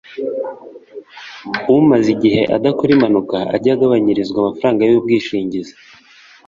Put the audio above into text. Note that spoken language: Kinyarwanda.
umaze igihe adakora impanuka ajye agabanyirizwa amafaranga y’ubwishingizi